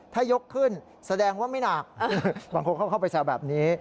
ถ้ายกขึ้นแสดงว่าไม่หนักบางคนเขาเข้าไปแซวแบบนี้